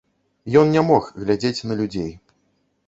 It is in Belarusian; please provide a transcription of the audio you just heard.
Ён не мог глядзець на людзей.